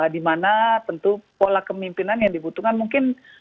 dimana tentu pola kemimpinan yang dibutuhkan mungkin